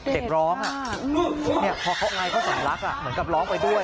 เด็กร้องพอเขาอายเขาสำลักเหมือนกับร้องไปด้วย